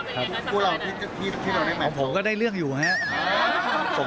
คู่เราที่เราได้แมทของ